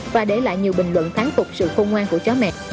và để lại nhiều bình luận tháng phục sự khôn ngoan của chó mè